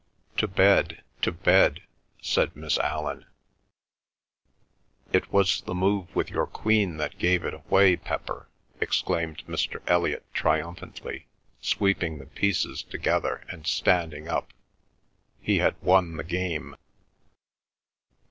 "To bed—to bed," said Miss Allan. "It was the move with your Queen that gave it away, Pepper," exclaimed Mr. Elliot triumphantly, sweeping the pieces together and standing up. He had won the game.